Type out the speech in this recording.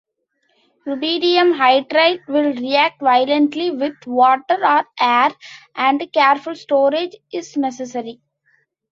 Rubidium hydride will react violently with water or air and careful storage is necessary.